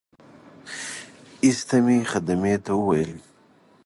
ایسته مې خدمې ته وویل.